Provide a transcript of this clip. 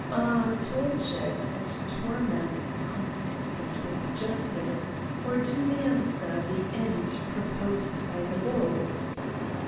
Are tortures and torments consistent with justice^ or do they answer the end proposed by the laws